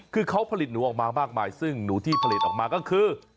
คือเขาผลิตหนูออกมามากมายซึ่งหนูที่ผลิตออกมาก็คือ